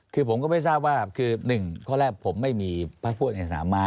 คือผมก็ไม่ทราบว่าคือหนึ่งข้อแรกผมไม่มีพระพวชในสนามม้า